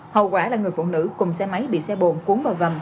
hậu quả là người phụ nữ cùng xe máy bị xe bồn cuốn vào gầm